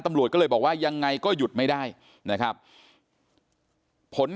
ตำรวจก็เลยบอกว่ายังไงก็หยุดไม่ได้นะครับผล